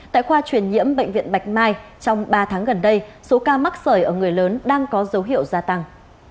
tại khoa truyền nhiễm bệnh viện bạch mai trong ba tháng gần đây số ca mắc sởi ở người lớn đang có dấu hiệu gia tăng